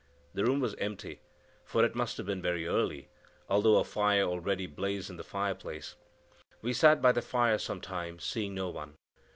The room was empty, for it must have been very early, although a fire already blazed in the fireplace. We sat by the fire some time, seeing no one.